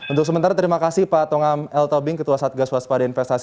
untuk sementara terima kasih pak tongam l tobing ketua satgas waspada investasi